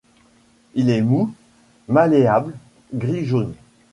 Il est mou, malléable, gris-jaune.